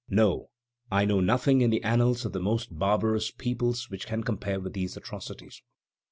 No, I know nothing in the annals of the most barbarous peoples which can compare with these atrocities."